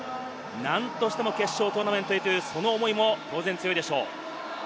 何としても決勝トーナメントへという、その思いも当然強いでしょう。